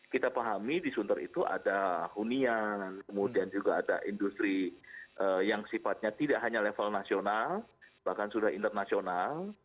kita pahami di sunter itu ada hunian kemudian juga ada industri yang sifatnya tidak hanya level nasional bahkan sudah internasional